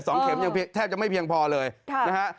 สองเข็มแทบจะไม่เพียงพอเลยนะครับ